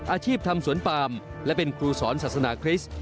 อาชีพทำสวนปามและเป็นครูสอนศาสนาคริสต์